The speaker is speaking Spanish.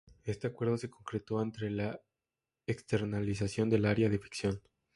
Este acuerdo se concretó ante la externalización del Área de Ficción.